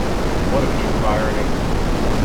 What a piece of irony!